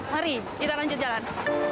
mari kita lanjut jalan